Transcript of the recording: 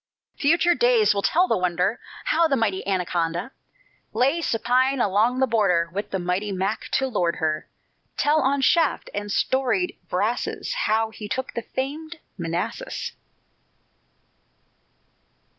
Future days will tell the wonder, How the mighty Anaconda Lay supine along the border, With the mighty Mac to lord her: Tell on shaft and storied brasses How he took the famed Manassas.